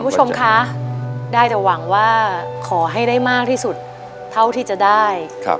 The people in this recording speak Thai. ผู้ชมคร้าห์ได้แต่หวังว่าขอให้ได้มากที่สุดเท่าที่จะได้ครับ